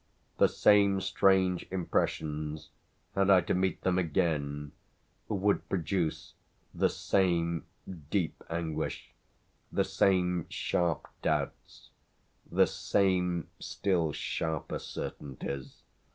The same strange impressions, had I to meet them again,'would produce the same deep anguish, the same sharp doubts, the same still sharper certainties.